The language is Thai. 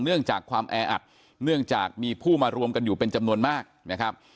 เนื่องจากความแออัดเนื่องจากมีผู้มารวมกันอยู่เป็นจำนวนมากนะครับ